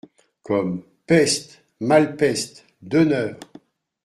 Comme : peste ! malpeste ! d’honneur !…